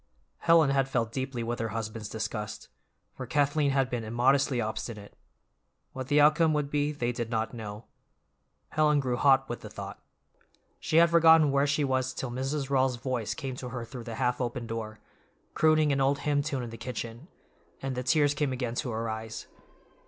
Helen had felt deeply with her husband's disgust, for Kathleen had been immodestly obstinate; what the outcome would be they did not know; Helen grew hot with the thought. She had forgotten where she was till Mrs. Rawls's voice came to her through the half open door, crooning an old hymn tune in the kitchen; and the tears came again to her eyes.